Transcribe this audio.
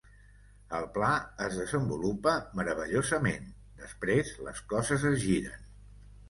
El pla es desenvolupa meravellosament; després les coses es giren.